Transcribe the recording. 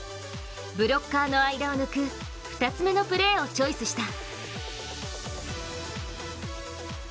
ブロッカーの間を抜く２つ目のプレーをチョイスした。